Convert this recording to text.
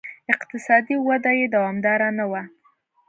اقتصادي وده یې دوامداره نه وه.